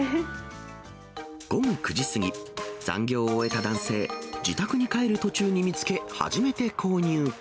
午後９時過ぎ、残業を終えた男性、自宅に帰る途中に見つけ、初めて購入。